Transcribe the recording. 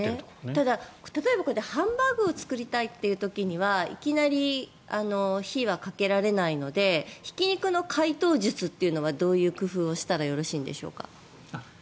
ただ、例えばこうやってハンバーグを作りたいって時にはいきなり火はかけられないのでひき肉の解凍術というのはどういう工夫をしたらよろしいんでしょうか。